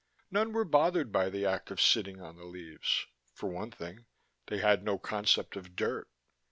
None were bothered by the act of sitting on the leaves: for one thing, they had no concept of dirt.